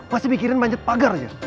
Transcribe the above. pasti mikirin manjat pagar aja